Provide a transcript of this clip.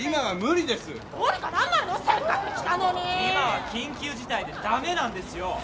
今は緊急事態で駄目なんですよ。